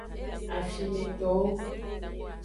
Afimetowo.